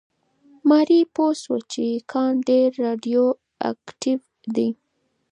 ماري پوه شوه چې کان ډېر راډیواکټیف دی.